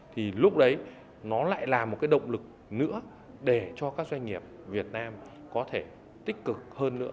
thì lúc đấy nó lại là một cái động lực nữa để cho các doanh nghiệp việt nam có thể tích cực hơn nữa